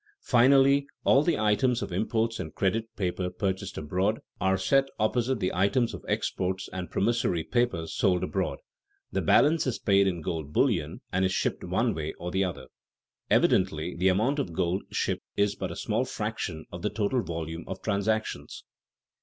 Finally, after all the items of imports and credit paper purchased abroad are set opposite the items of exports and promissory papers sold abroad, the balance is paid in gold bullion and is shipped one way or the other. Evidently the amount of gold shipped is but a small fraction of the total volume of transactions.